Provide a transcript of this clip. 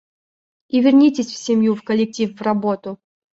И вернитесь в семью, в коллектив, в работу!